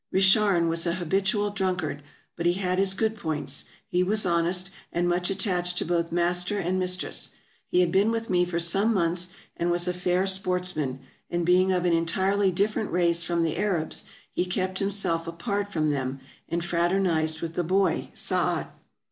Richarn was an habitual drunkard, but he had his good points ; he was honest, and much attached to both master and mis tress. He had been with me for some months, and was a fair sportsman, and being of an entirely different race from the Arabs, he kept himself apart from them, and fraternized with the boy Saat.